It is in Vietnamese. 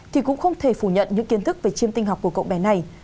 thì cũng không thể phủ nhận những kiến thức về chiêm tinh học của cậu bé này